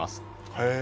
へえ！